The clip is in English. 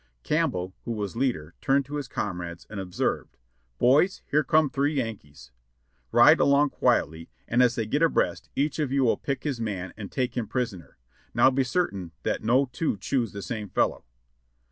Campbell, who was leader, turned to his comrades and observed : "Boys, here come three Yankees. Ride along quietly, and as they get abreast, each of you will pick his man and take him prisoner; now be certain that no two choose the same fellow."